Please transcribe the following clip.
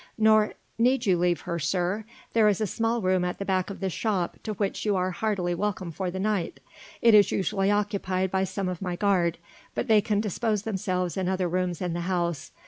"Nor need you leave her, sir. There is a small room at the back of this shop, to which you are heartily welcome for the night. It is usually occupied by some of my guard, but they can dispose themselves in other rooms in the house.